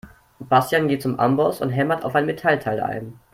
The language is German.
Bastian geht zum Amboss und hämmert auf ein Metallteil ein.